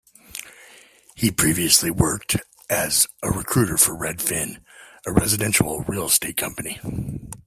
He previously worked as a recruiter for Redfin, a residential real estate company.